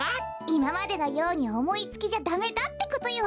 いままでのようにおもいつきじゃダメだってことよ。